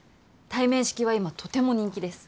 対面式は今とても人気です。